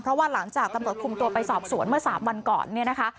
เพราะว่าหลังจากตำรวจคุมตัวไปสอบสวนเมื่อ๓วันก่อนเนี่ยนะคะ